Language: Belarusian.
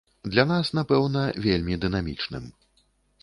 Для нас, напэўна, вельмі дынамічным.